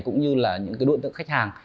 cũng như là những cái đối tượng khách hàng